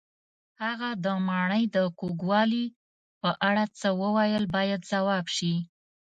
هغه د ماڼۍ د کوږوالي په اړه څه وویل باید ځواب شي.